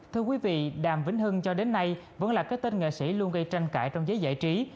thưa quý vị đàm vĩnh hưng cho đến nay vẫn là cái tên nghệ sĩ luôn gây tranh cãi trong giới giải trí